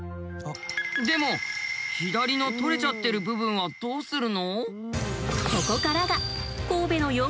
でも左の取れちゃってる部分はどうするの？